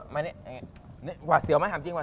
มานี้หักเสี่ยวไหมไม่งั้ย